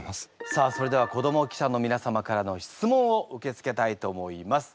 さあそれでは子ども記者のみな様からの質問を受け付けたいと思います。